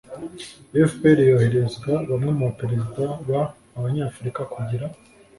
fpr yohererezwa bamwe mu ba perezida b abanyafurika kugira